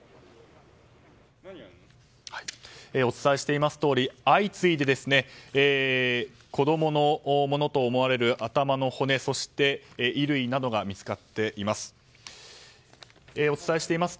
お伝えしていますとおり相次いで子供のものと思われる頭の骨そして衣類などが見つかっています。